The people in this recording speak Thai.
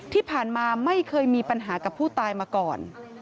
ที่ผ่านมาไม่เคยมีปัญหากับผู้ตายมาก่อน